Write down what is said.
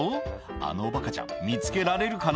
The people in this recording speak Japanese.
「あのおバカちゃん見つけられるかな？」